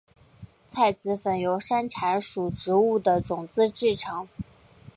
茶籽粉由山茶属植物的种子制成。